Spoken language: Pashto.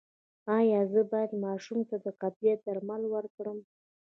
ایا زه باید ماشوم ته د قبضیت درمل ورکړم؟